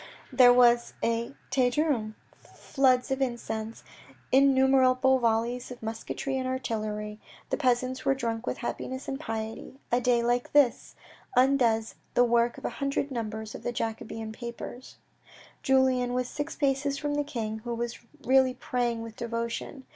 There was a Te Deum, floods of incense, in numerable volleys of musketry and artillery ; the peasants were drunk with happiness and piety. A day like this undoes the work of a hundred numbers of the Jacobin papers. Julien was six paces from the king, who was really praying with devotion.